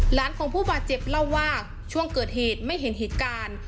หลานของผู้บาดเจ็บเล่าว่าช่วงเกิดเหตุไม่เห็นเหตุการณ์